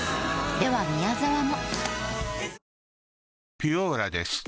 では宮沢も。